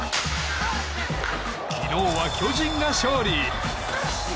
昨日は巨人が勝利。